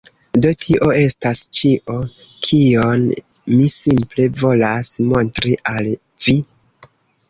Do tio estas ĉio, kion mi simple volas montri al vi.